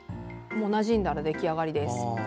もうなじんだら出来上がりです。